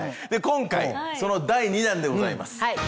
今回その第２弾でございます。